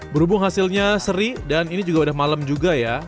berhubung hasilnya seri dan ini juga udah malam juga ya